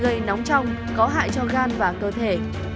gây nóng trong có hại cho gan và cơ thể